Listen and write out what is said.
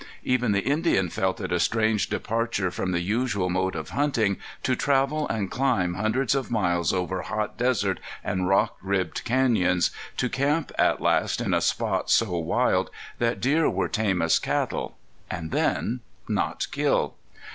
Even the Indian felt it a strange departure from the usual mode of hunting to travel and climb hundreds of miles over hot desert and rock ribbed canyons, to camp at last in a spot so wild that deer were tame as cattle, and then not kill.